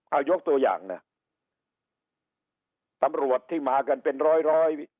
เอายกตัวอย่างนะตำรวจที่มากันเป็นร้อยร้อย